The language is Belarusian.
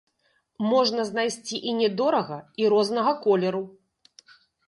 Можна знайсці і не дорага, і рознага колеру.